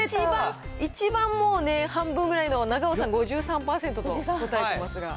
一番もうね、半分ぐらいの長尾さん、５３％と答えていますが。